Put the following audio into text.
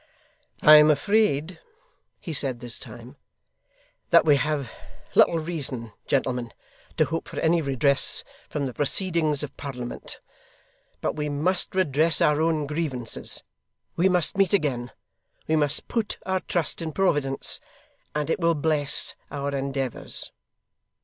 'I am afraid,' he said, this time, 'that we have little reason, gentlemen, to hope for any redress from the proceedings of Parliament. But we must redress our own grievances, we must meet again, we must put our trust in Providence, and it will bless our endeavours.